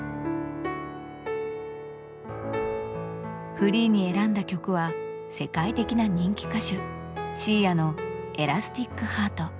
フリーに選んだ曲は世界的な人気歌手Ｓｉａの「エラスティック・ハート」。